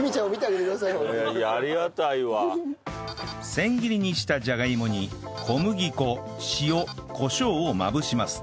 千切りにしたじゃがいもに小麦粉塩コショウをまぶします